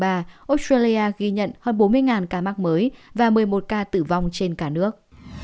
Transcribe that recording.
australia ghi nhận hơn bốn mươi ca mắc mới và một mươi một ca tử vong trên cả nước